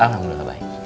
kamu udah baik